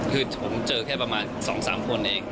คือผมเจอแค่ประมาณสองสามคนเอง